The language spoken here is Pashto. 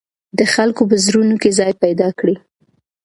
د خلکو په زړونو کې ځای پیدا کړئ.